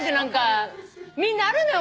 みんなあるのよ